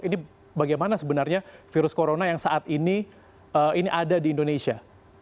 ini bagaimana sebenarnya virus corona yang saat ini ini ada di indonesia